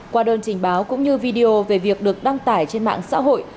qua đơn trình báo cũng như video về việc được đăng tải trên mạng xã hội